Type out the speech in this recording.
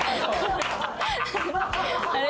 あれ？